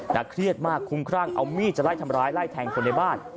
เครียดมากคุ้มครั่งเอามีดจะไล่ทำร้ายไล่แทงคนในบ้าน